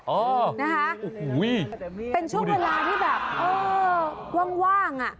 เออนะคะโอ้โหเป็นช่วงเวลาที่แบบเออว่างอ่ะ